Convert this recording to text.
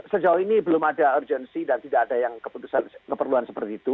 sejauh ini belum ada urgensi dan tidak ada yang keputusan keperluan seperti itu